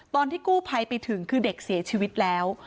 ตอนที่กู้ภัยไปถึงคือเด็กเสียชีวิตแล้ว